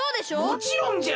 もちろんじゃ！